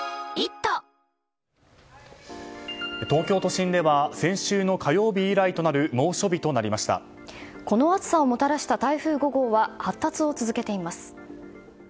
東京都心では先週の火曜日以来となるこの暑さをもたらした台風５号は発達を続けています。